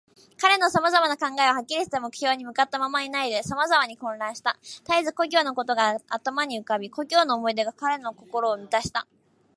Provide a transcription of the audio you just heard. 彼のさまざまな考えは、はっきりした目標に向ったままでいないで、さまざまに混乱した。たえず故郷のことが頭に浮かび、故郷の思い出が彼の心をみたした。